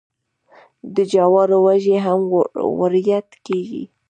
د جوارو وږي هم وریت کیږي.